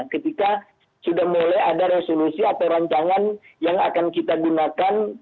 ketika sudah mulai ada resolusi atau rancangan yang akan kita gunakan